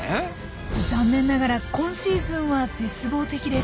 残念ながら今シーズンは絶望的です。